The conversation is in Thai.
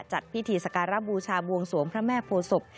จัดพิธีสการบูชาบวงสวงพระแม่โพศพ